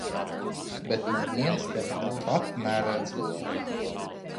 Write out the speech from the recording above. Bet neviens tevi tāpat neredz.